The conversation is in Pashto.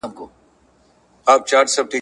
شپې د عمر غلیماني ورځي وخوړې کلونو !.